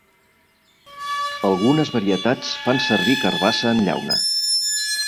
Algunes varietats fan servir carbassa en llauna.